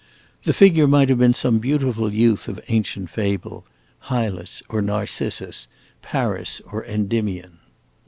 The figure might have been some beautiful youth of ancient fable, Hylas or Narcissus, Paris or Endymion.